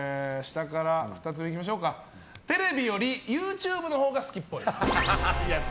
テレビよりＹｏｕＴｕｂｅのほうが好きっぽい。